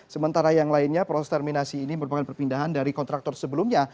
sementara yang lainnya proses terminasi ini merupakan perpindahan dari kontraktor sebelumnya